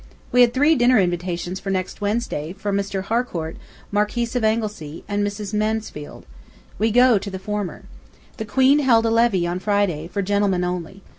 We had three dinner invitations for next Wednesday, from Mr. Harcourt, Marquis of Anglesey, and Mrs. Mansfield. We go to the former. The Queen held a levée on Friday, for gentlemen only.